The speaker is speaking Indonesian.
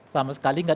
sama sekali tidak